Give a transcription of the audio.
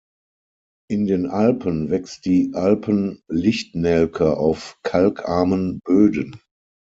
In den Alpen wächst die Alpen-Lichtnelke auf kalkarmen Böden.